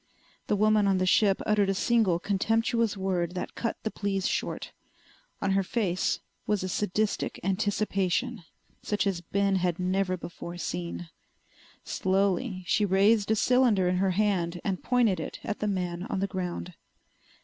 The woman on the ship uttered a single contemptuous word that cut the pleas short. On her face was a sadistic anticipation such as Ben had never before seen. Slowly she raised a cylinder in her hand and pointed it at the man on the ground.